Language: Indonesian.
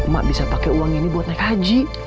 mak bisa pakai uang ini buat naik haji